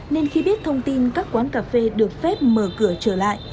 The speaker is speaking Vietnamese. nên khi biết thông tin các quán cà phê được phép mở cửa trở lại